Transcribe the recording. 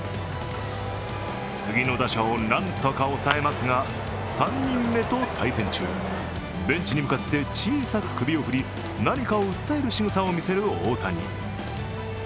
次の打者をなんとか抑えますが３人目と対戦中、、ベンチに向かって小さく首を振り、何かを訴えるしぐさを見せる大谷。